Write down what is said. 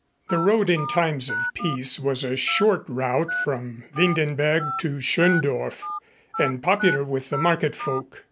The road in times of peace was a short route from Windenberg to Schöndorf and popular with the market folk.